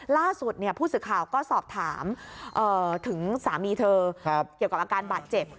ล่าสุดผู้สื่อข่าวก็สอบถามถึงสามีเธอเกี่ยวกับอาการบาดเจ็บ